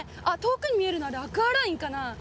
あ遠くに見えるのはアクアラインかな？